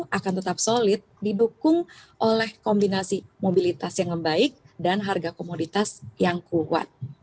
akan tetap solid didukung oleh kombinasi mobilitas yang baik dan harga komoditas yang kuat